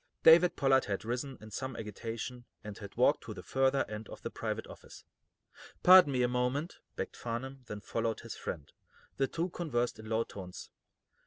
David Pollard had risen, in some agitation, and had walked to the further end of the private office. "Pardon me a moment," begged Farnum, then followed his friend. The two conversed in low tones.